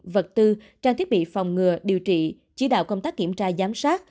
vật tư trang thiết bị phòng ngừa điều trị chỉ đạo công tác kiểm tra giám sát